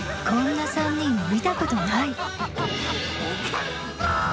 こんな３人見たことないあ！